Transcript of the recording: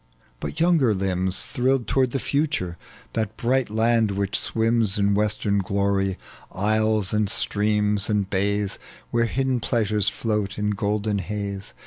But younger limbs Thrilled toward the future, that bright land which swims In western glory, isles and streams and bays, Where hidden pleasures float in golden haze.